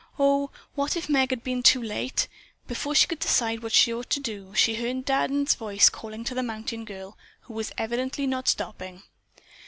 Oh, what if Meg had been too late. Before she could decide what she ought to do, she heard Dan's voice calling to the mountain girl, who was evidently not stopping.